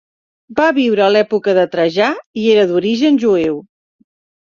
Va viure a l'època de Trajà i era d'origen jueu.